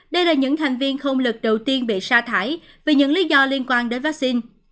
đây là những thành viên không lực đầu tiên bị sa thải vì những lý do liên quan đến vaccine